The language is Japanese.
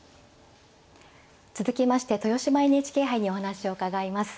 続きまして豊島ＮＨＫ杯にお話を伺います。